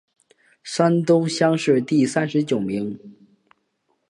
山东乡试第三十九名。